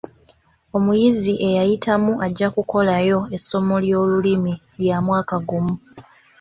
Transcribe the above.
Omuyizi eyayitamu ajja kukolayo essomo ly'olulimi lya mwaka gumu.